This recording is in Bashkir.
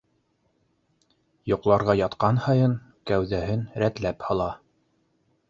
Йоҡларға ятҡан һайын кәүҙәһен рәтләп һала.